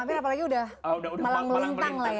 pak amir apalagi udah malang melintang lah ya